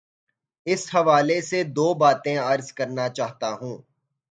اس حوالے سے دو باتیں عرض کرنا چاہتا ہوں۔